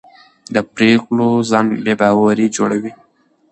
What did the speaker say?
د پرېکړو ځنډ بې باوري جوړوي